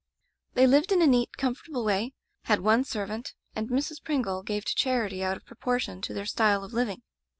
"They lived in a neat, comfortable way, had one servant, and Mrs. Pringle gave to charity out of proportion to their style of living.